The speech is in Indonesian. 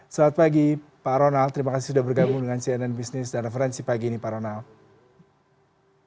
selamat pagi pak ronald terima kasih sudah bergabung dengan cnn business dan referensi pagi ini pak ronald